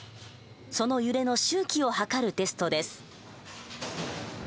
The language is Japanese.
その揺れの周期を計るテストです。